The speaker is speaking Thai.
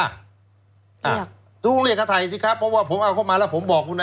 เรียกตรงเรียกฆ่าไทยสิครับเพราะว่าผมเอาเข้ามาแล้วผมบอกคุณเอ้ย